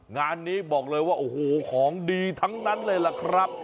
งานนี้บอกเลยว่าโอ้โหของดีทั้งนั้นเลยล่ะครับ